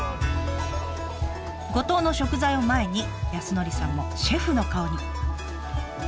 五島の食材を前に康典さんもシェフの顔に。